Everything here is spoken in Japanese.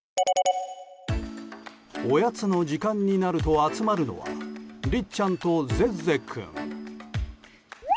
おやつの時間になると集まるのはりっちゃんとゼッゼ君。